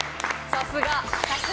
さすが。